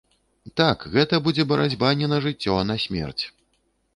Так, гэта будзе барацьба не на жыццё а на смерць.